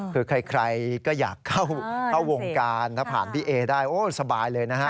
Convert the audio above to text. คือใครก็อยากเข้าวงการถ้าผ่านพี่เอได้โอ้สบายเลยนะฮะ